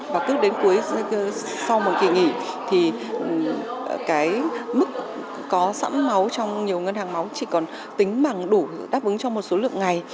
và cứ đến cuối sau một kỳ nghỉ thì cái mức có sẵn máu trong nhiều ngân hàng máu chỉ còn tính bằng đủ đáp ứng cho một số lượng ngày